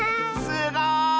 すごい！